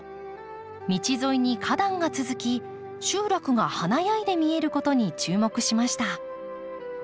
道沿いに花壇が続き集落が華やいで見えることに注目しました。